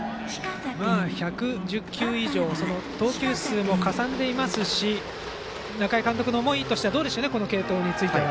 １１０球以上と投球数もかさんでいますし中井監督の思いとしてはどうでしょうね、継投については。